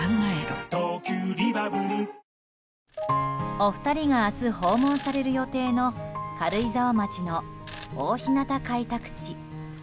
お二人が明日訪問される予定の軽井沢町の大日向開拓地。